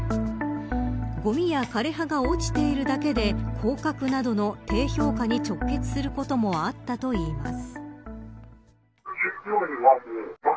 ごみや枯れ葉が落ちているだけで降格などの低評価に直結することもあったといいます。